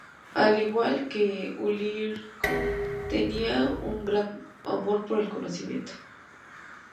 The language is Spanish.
Al igual que Ulrico, tenía un gran amor por el conocimiento.